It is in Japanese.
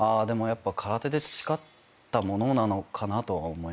空手で培ったものなのかなとは思います。